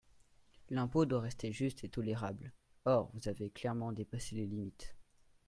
L’impôt doit rester juste et tolérable, or vous avez clairement dépassé les limites.